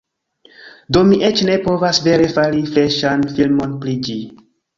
Do, mi eĉ ne povas vere fari freŝan filmon pri ĝi